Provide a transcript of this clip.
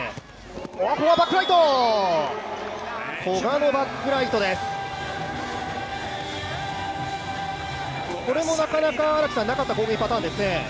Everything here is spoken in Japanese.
古賀のバックライトです、これも、なかなかなかった攻撃パターンですよね。